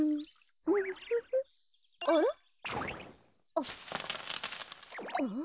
あっん？